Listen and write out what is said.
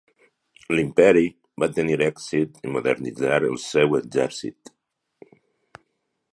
L'Imperi va tenir èxit en modernitzar el seu exèrcit.